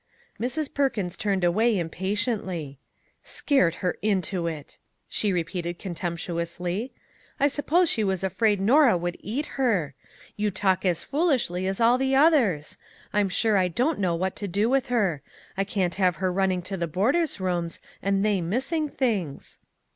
Mrs. Perkins turned away impatiently. " Scared her into it !" she repeated contemp 121 MAG AND MARGARET tuously. " I suppose she was afraid Norah would eat her! You talk as foolishly as all the others. I'm sure I don't know what to do with her. I can't have her running to the boarders' rooms, and they missing things."